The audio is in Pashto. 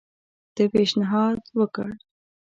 ده پېشنهاد وکړ.